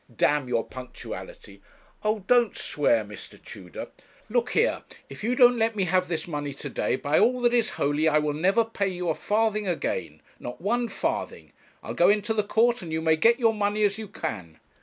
'D your punctuality.' 'Oh! don't swear, Mr. Tudor.' 'Look here if you don't let me have this money to day, by all that is holy I will never pay you a farthing again not one farthing; I'll go into the court, and you may get your money as you can.'